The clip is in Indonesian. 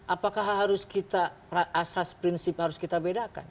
apakah harus kita asas prinsip harus kita bedakan